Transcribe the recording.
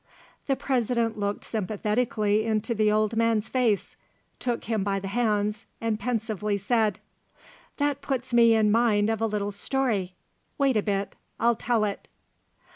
_" The President looked sympathetically into the old man's face, took him by the hands, and pensively said, "That puts me in mind of a little story. Wait a bit I'll tell it."